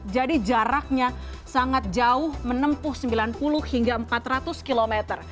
jadi jaraknya sangat jauh menempuh sembilan puluh hingga empat ratus km